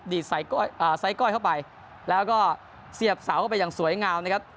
ดีดใส่ก้อยอ่าใส่ก้อยเข้าไปแล้วก็เสียบเสาเข้าไปอย่างสวยงาวนะครับ